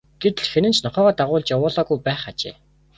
Гэтэл хэн нь ч нохойгоо дагуулж явуулаагүй байх ажээ.